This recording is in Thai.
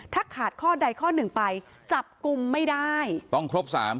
ถ้าขาดข้อใดข้อหนึ่งไปจับกลุ่มไม่ได้ต้องครบสาม